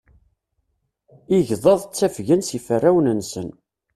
Igḍaḍ ttafgen s yiferrawen-nsen.